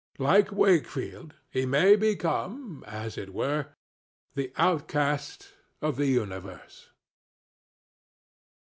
Like Wakefield, he may become, as it were, the outcast of the universe.